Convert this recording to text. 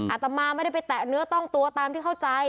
อาตมาไม่ได้ไปแตะเนื้อต้องตัวตามที่เข้าใจ